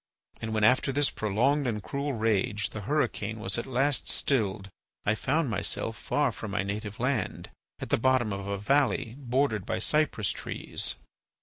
And when, after this prolonged and cruel rage, the hurricane was at last stilled, I found myself far from my native land at the bottom of a valley bordered by cypress trees.